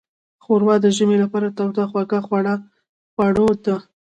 ښوروا د ژمي لپاره توده خوږه خوړو ده.